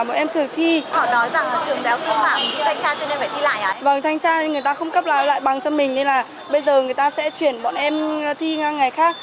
vâng thanh tra nên người ta không cấp lại bằng cho mình nên là bây giờ người ta sẽ chuyển bọn em thi ngang ngày khác